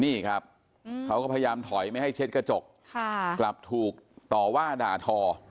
นี่ครับเขาก็พยายามถอยไม่ให้เช็ดกระจกกลับถูกต่อว่าด่าทอ